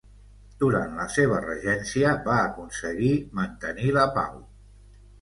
Durant la seva regència va aconseguir mantenir la pau.